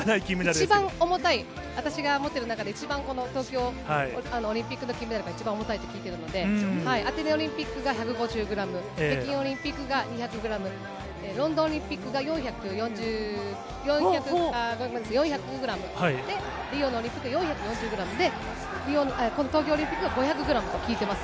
一番重たい、私が持ってる中で、この一番、東京オリンピックの金メダルが一番重たいと聞いているので、アテネオリンピックが１５０グラム、北京オリンピックが２００グラム、ロンドンオリンピックが４００グラム、で、リオのオリンピックが４４０グラムで、この東京オリンピックが５００グラムと聞いてます。